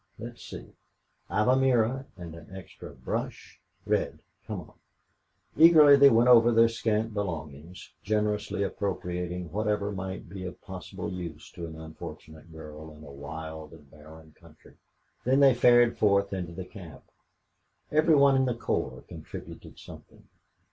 Let's see. I've a mirror and an extra brush.... Red, come on." Eagerly they went over their scant belongings, generously appropriating whatever might be made of possible use to an unfortunate girl in a wild and barren country. Then they fared forth into the camp. Every one in the corps contributed something.